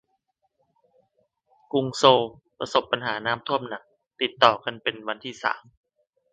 กรุงโซลประสบปัญหาน้ำท่วมหนักติดต่อกันเป็นวันที่สาม